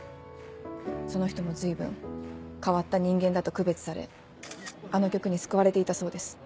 その人も随分変わった人間だと区別されあの曲に救われていたそうです。